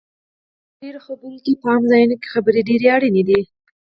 د ژوند په ډېرو برخو کې په عامه ځایونو کې خبرې ډېرې اړینې دي